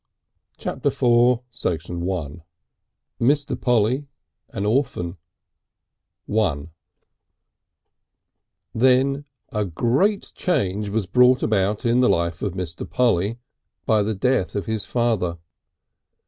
Chapter the Fourth Mr. Polly an Orphan I Then a great change was brought about in the life of Mr. Polly by the death of his father.